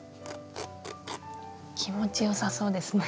気持ちよさそうですね。